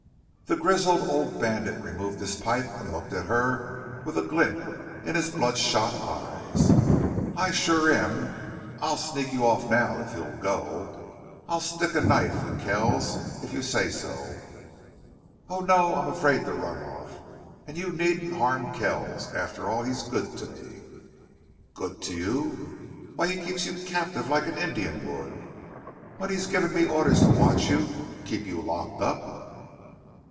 The grizzled old bandit removed his pipe and looked at her with a glint in his bloodshot eyes, "I shore am. I'll sneak you off now if you'll go. I'll stick a knife in Kells if you say so." "Oh, no, I'm afraid to run off and you needn't harm Kells. After all, he's good to me." "Good to you!... When he keeps you captive like an Indian would? When he's given me orders to watch you keep you locked up?"